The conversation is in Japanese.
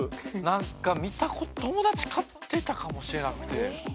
何か見たこと友達飼ってたかもしれなくて。